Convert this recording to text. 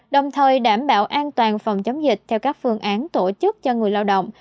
đồng thời đảm bảo an toàn phòng chống dịch theo các phương án tổ chức cho người lao động